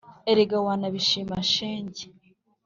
Erega wanabishima Shenge